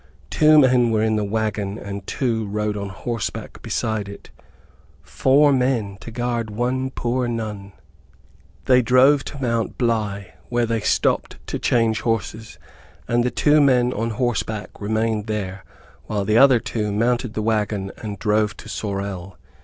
Two men were in the wagon and two rode on horseback beside it. Four men to guard one poor nun! They drove to Mt. Bly, where they stopped to change horses, and the two men on horseback remained there, while the other two mounted the wagon and drove to Sorel.